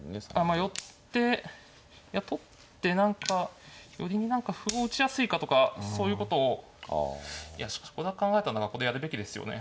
まあ寄って取って何か寄りに何か歩を打ちやすいかとかそういうことをいやしかしこれだけ考えたんだからこれやるべきですよね。